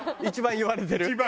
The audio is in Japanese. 一番言われてる？